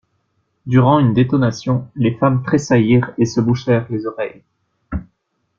Durant une détonation, les femmes tressaillirent et se bouchèrent les oreilles.